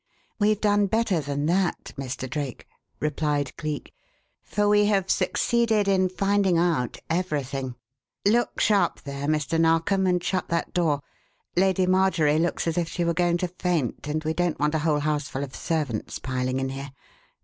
"We've done better than that, Mr. Drake," replied Cleek, "for we have succeeded in finding out everything. Look sharp there, Mr. Narkom, and shut that door. Lady Marjorie looks as if she were going to faint, and we don't want a whole houseful of servants piling in here.